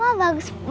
aku mau ke rumah